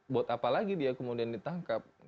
buat apa lagi dia kemudian ditangkap